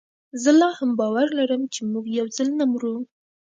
زه لا هم باور لرم چي موږ یوځل نه مرو